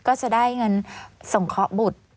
ก็จะได้เงินส่งเคราะห์บุตร